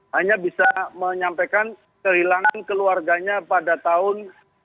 hanya bisa menyampaikan kehilangan keluarganya pada tahun dua ribu dua puluh